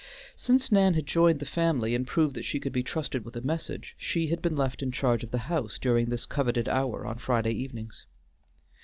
Since Nan had joined the family and proved that she could be trusted with a message, she had been left in charge of the house during this coveted hour on Friday evenings.